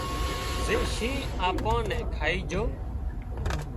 زي شينهن آپان نين کائي جھو